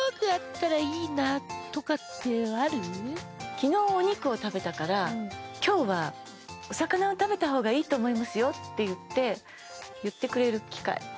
昨日お肉を食べたから今日はお魚を食べた方がいいと思いますよって言って言ってくれる機械